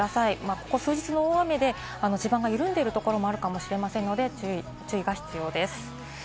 ここ数日の雨で地盤が緩んでいるところもあるかもしれませんので注意が必要です。